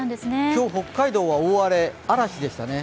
今日、北海道は大荒れ、嵐でしたね。